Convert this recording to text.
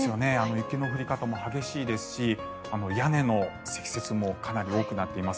雪の降り方も激しいですし屋根の積雪もかなり多くなっています。